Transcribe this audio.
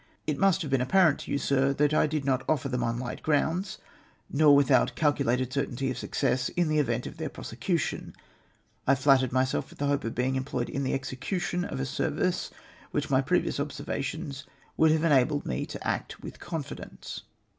" It must have been apparent to you, Sir, that I did not offer them on light grounds, nor without calculated certainty of success in the event of their prosecution. I flattered myself with the hope of being employed in the execution of a service on which my previous observations would have enabled me to act with confidence.